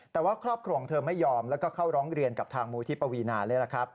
แต่ว่าครอบครองเธอไม่ยอมแล้วก็เข้าร้องเรียนกับทางมูธิปวีนาเลย